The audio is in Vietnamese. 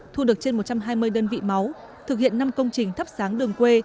thu được trên một trăm hai mươi đơn vị máu thực hiện năm công trình thắp sáng đường quê